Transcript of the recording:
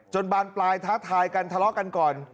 บานปลายท้าทายกันทะเลาะกันก่อน